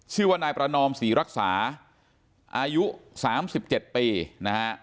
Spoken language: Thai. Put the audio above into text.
ชื่อว่านายประนอมศรีรักษาอายุ๓๗ปีนะฮะ